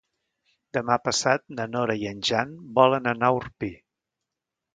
Demà passat na Nora i en Jan volen anar a Orpí.